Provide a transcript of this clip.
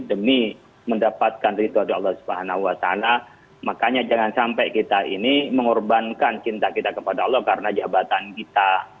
demi mendapatkan ritual dari allah swt makanya jangan sampai kita ini mengorbankan cinta kita kepada allah karena jabatan kita